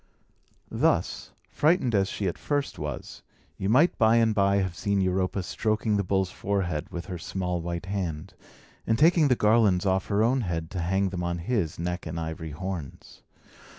Thus, frightened as she at first was, you might by and by have seen Europa stroking the bull's forehead with her small white hand, and taking the garlands off her own head to hang them on his neck and ivory horns.